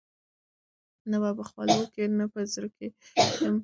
نه به په خولو کي نه به په زړه یم